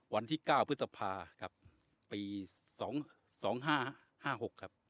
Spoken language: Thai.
วันที่เก้าพฤษภาครับปีสองสองห้าห้าหกครับ